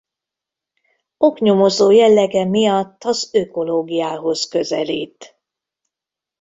Oknyomozó jellege miatt az ökológiához közelít.